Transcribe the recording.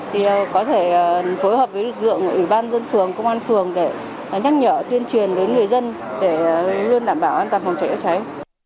thì có thể phối hợp với lực lượng ủy ban dân phường công an phường để nhắc nhở tuyên truyền đến người dân để luôn đảm bảo an toàn phòng cháy chữa cháy